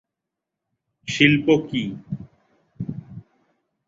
শিল্প কি?